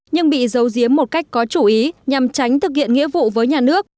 nhưng bị giấu giếm một cách có chủ ý nhằm tránh thực hiện nghĩa vụ với nhà nước